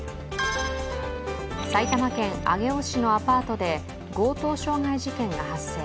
埼玉県上尾市のアパートで強盗傷害事件が発生。